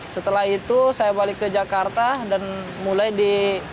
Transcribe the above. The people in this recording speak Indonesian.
setelah itu saya balik ke jakarta dan mulai di